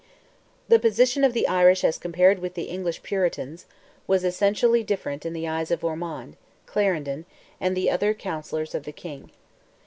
The position of the Irish as compared with the English Puritans, was essentially different in the eyes of Ormond, Clarendon, and the other counsellors of the king.